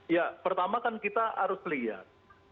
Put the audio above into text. ya pertama kan kita harus lihat